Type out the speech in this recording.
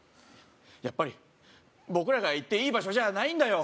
やっぱり僕らが行っていい場所じゃないんだよ